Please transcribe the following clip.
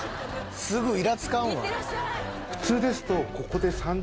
すぐイラつかんわ。